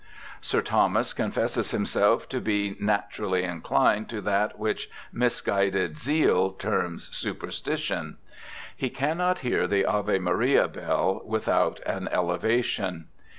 Sir Thomas confesses himself to be ' naturally inclined to that which 274 BIOGRAPHICAL ESSAYS misguided zeal terms superstition'. He 'cannot hear the Ave Maria bell without an elevation